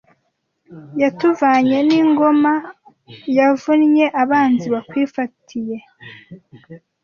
Yatuvanye n’ingoma, Yavunnye abanzi bakwifatiye